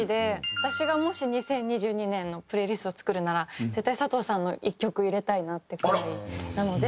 私がもし２０２２年のプレイリストを作るなら絶対佐藤さんの１曲入れたいなってくらいなので。